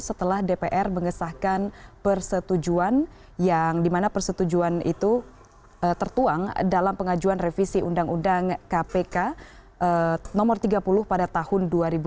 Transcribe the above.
setelah dpr mengesahkan persetujuan yang dimana persetujuan itu tertuang dalam pengajuan revisi undang undang kpk nomor tiga puluh pada tahun dua ribu dua